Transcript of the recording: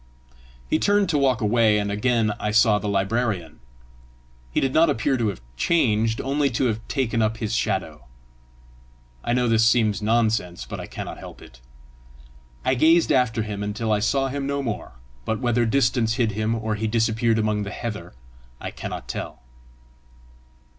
He turned to walk away, and again I saw the librarian. He did not appear to have changed, only to have taken up his shadow. I know this seems nonsense, but I cannot help it. I gazed after him until I saw him no more; but whether distance hid him, or he disappeared among the heather, I cannot tell.